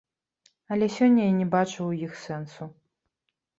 Але сёння я не бачу ў іх сэнсу.